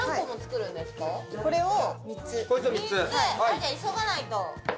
じゃ、急がないと。